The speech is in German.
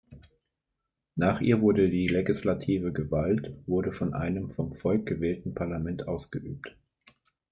Nach ihr wurde die legislative Gewalt wurde von einem vom Volk gewählten Parlament ausgeübt.